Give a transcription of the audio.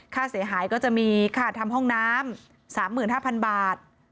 ค่าเสียหายก็จะมีค่าทำห้องน้ำ๓๕๐๐๐บาท